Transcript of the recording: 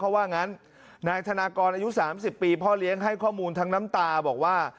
เพราะว่างั้นนายธนากรอายุ๓๐ปีพ่อเลี้ยงให้ข้อมูลทั้งน้ำตาบอกว่า